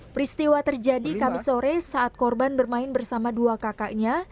peristiwa terjadi kami sore saat korban bermain bersama dua kakaknya